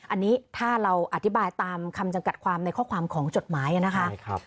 อันนี้ถ้าเราอธิบายตามคำจำกัดความในข้อความของจดหมายนะคะ